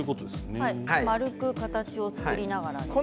丸く形を作りながら。